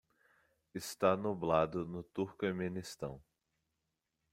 está nublado no Turquemenistão